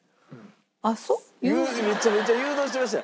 めちゃめちゃ誘導してました。